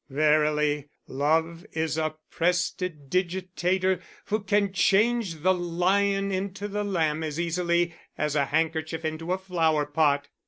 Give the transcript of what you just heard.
Verily, love is a prestidigitator who can change the lion into the lamb as easily as a handkerchief into a flower pot!